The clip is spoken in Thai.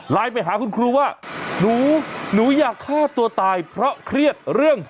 ไปหาคุณครูว่าหนูหนูอยากฆ่าตัวตายเพราะเครียดเรื่อง